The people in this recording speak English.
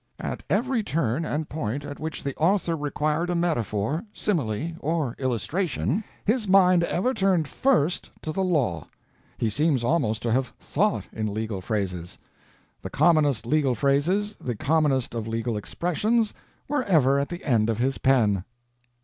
"At every turn and point at which the author required a metaphor, simile, or illustration, his mind ever turned first to the law; he seems almost to have thought in legal phrases; the commonest legal phrases, the commonest of legal expressions, were ever at the end of his pen."